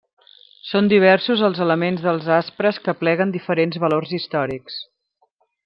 Són diversos els elements dels Aspres que apleguen diferents valors històrics.